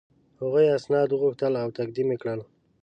هغوی اسناد وغوښتل او تقدیم یې کړل.